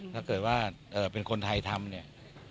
ถ้าเกิดว่าเป็นคนไทยทำเนี่ย